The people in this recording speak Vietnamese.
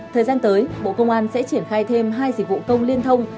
thời gian tới bộ công an sẽ triển khai thêm hai dịch vụ công liên thông